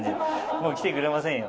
もう来てくれませんよ